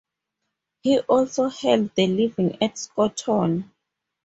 He also held the living at Scotton.